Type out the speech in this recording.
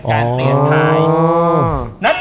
การเปลี่ยนท้าย